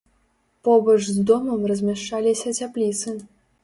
Побач з домам размяшчаліся цяпліцы.